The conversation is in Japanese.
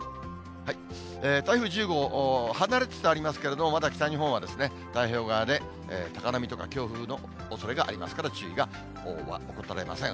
台風１０号、離れつつありますけれども、まだ北日本は太平洋側で、高波とか強風のおそれがありますから、注意が怠れません。